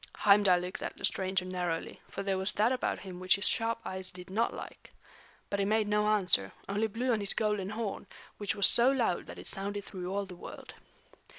Heimdal looked at the stranger narrowly, for there was that about him which his sharp eyes did not like. But he made no answer, only blew on his golden horn, which was so loud that it sounded through all the world.